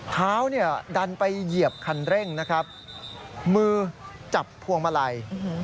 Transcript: เท้าดันไปเหยียบคันเร่งมือจับพวงมาลัย